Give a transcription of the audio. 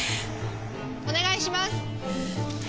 お願いします！